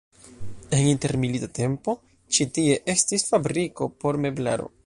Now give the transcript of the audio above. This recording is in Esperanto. En intermilita tempo ĉi tie estis fabriko por meblaro.